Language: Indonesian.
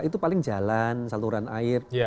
itu paling jalan saluran air